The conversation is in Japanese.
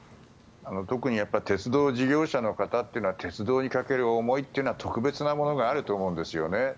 特に鉄道事業者の方というのは鉄道にかける思いというのは特別なものがあると思うんですよね。